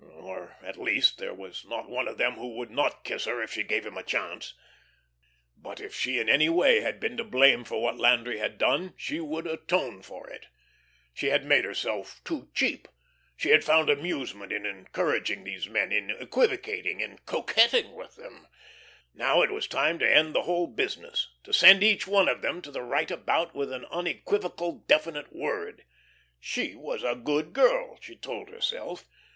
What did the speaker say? Or, at least, there was not one of them who would not kiss her if she gave him a chance. But if she, in any way, had been to blame for what Landry had done, she would atone for it. She had made herself too cheap, she had found amusement in encouraging these men, in equivocating, in coquetting with them. Now it was time to end the whole business, to send each one of them to the right about with an unequivocal definite word. She was a good girl, she told herself.